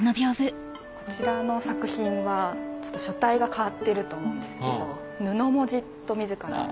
こちらの作品はちょっと書体が変わってると思うんですけど「布文字」と自ら。